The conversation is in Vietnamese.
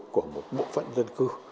của một bộ phận dân cư